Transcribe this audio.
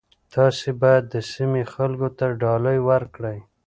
تاسي باید د سیمې خلکو ته ډالۍ ورکړئ.